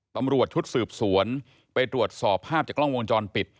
ตำรวจชุดสืบสวนไปตรวจสอบภาพจากกล้องวงจรปิด